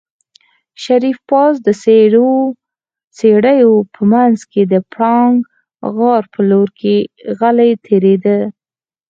شريف پاس د څېړيو په منځ کې د پړانګ غار په لور غلی تېرېده.